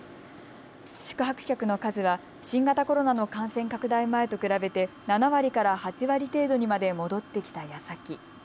宿泊客の数は新型コロナの感染拡大前と比べて７割から８割程度にまで戻ってきたやさき。